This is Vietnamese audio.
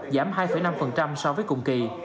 giảm hai năm so với cùng kỳ